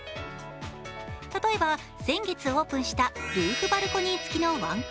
例えば先月オープンしたルーフバルコニー付きの１Ｋ。